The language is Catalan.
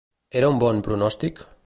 Era un bon pronòstic?